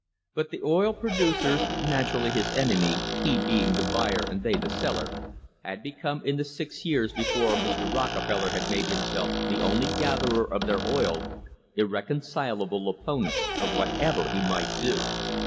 But the oil producers, naturally his [208 ] THE CRISIS OF 1878 enemy, he being the buyer and they the seller, had become in the six years before Mr. Rockefeller had made himself the only gatherer of their oil, irreconcilable opponents of what ever he might do.